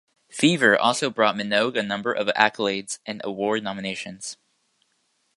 "Fever" also brought Minogue a number of accolades and award nominations.